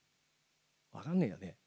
わかんねえよね。